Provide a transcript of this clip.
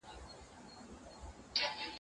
مرگ هم ډيرو ته پرده ده.